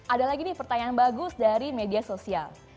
ada lagi nih pertanyaan bagus dari media sosial